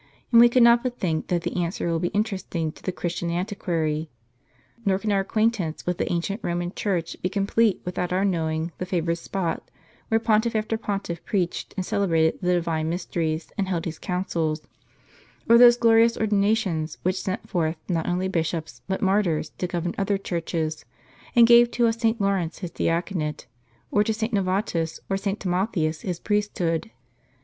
And we cannot but think that the answer will be interesting to the Christian antiquary. Nor can our acquaintance with the ancient Roman Church be complete, without our knowing the favored spot where Pontiff m after Pontiff preached, and celebrated the divine mysteries, and held his councils, or those glorious ordinations, which sent forth not only bishops but martyrs to govern other churches, and gave to a St. Laurence his diaconate, or to St. Novatus or St. Timotheus his priesthood.